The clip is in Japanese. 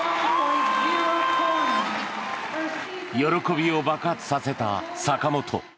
喜びを爆発させた坂本。